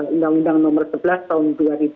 undang undang nomor sebelas tahun dua ribu dua